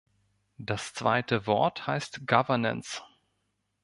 Das zweite Wort heißt Governance.